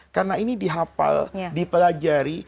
karena ini dihafal dipelajari